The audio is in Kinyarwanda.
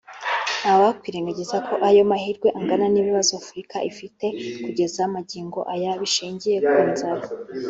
ntawakwirengagagiza ko ayo mahirwe angana n’ibibazo Afurika ifite kugeza magingo aya bishingiye ku nzara